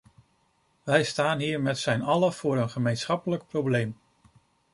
Wij staan hier met zijn allen voor een gemeenschappelijk probleem.